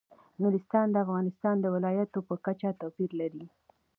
نورستان د افغانستان د ولایاتو په کچه توپیر لري.